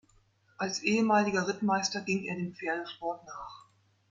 Als ehemaliger Rittmeister ging er dem Pferdesport nach.